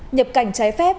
nhập cảnh trái phép